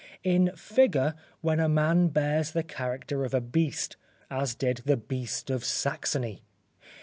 In figure, when a man bears the character of a beast, as did the beast in Saxony.